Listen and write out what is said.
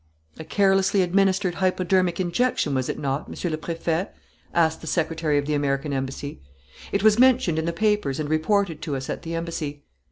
"A carelessly administered hypodermic injection, was it not, Monsieur le Préfet?" asked the secretary of the American Embassy. "It was mentioned in the papers and reported to us at the embassy."